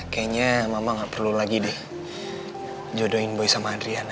kayaknya mama gak perlu lagi deh jodohin boy sama adriana